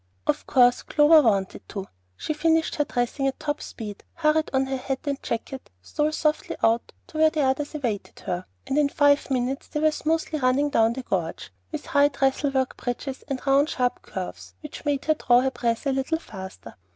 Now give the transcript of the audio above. Of course Clover wanted to. She finished her dressing at top speed, hurried on her hat and jacket, stole softly out to where the others awaited her, and in five minutes they were smoothly running down the gorge, over high trestle work bridges and round sharp curves which made her draw her breath a little faster.